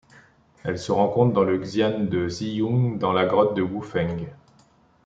Elle se rencontre dans le xian de Ziyun dans la grotte Wufeng.